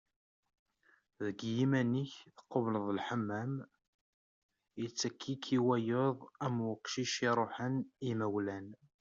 Deg yiman-ik tqebleḍ Lḥemmam, yettak-ik i wayeḍ am uqcic iruḥen i yimawlan.